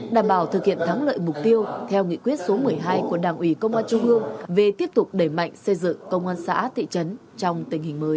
đảm bảo thực hiện thắng lợi mục tiêu theo nghị quyết số một mươi hai của đảng ủy công an trung ương về tiếp tục đẩy mạnh xây dựng công an xã thị trấn trong tình hình mới